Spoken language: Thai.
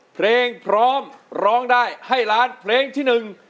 เพลงพร้อมร้องได้ให้ล้านเพลงที่หนึ่ง